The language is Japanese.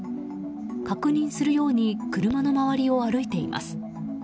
確認するように車の周りを歩いています。